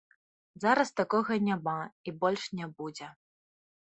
Зараз такога няма і больш не будзе.